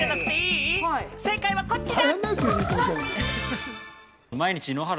正解はこちら！